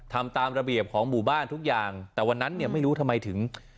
ทำตามระเบียบของหมู่บ้านทุกอย่างแต่วันนั้นเนี่ยไม่รู้ทำไมถึง